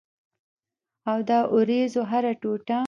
او د اوریځو هره ټوټه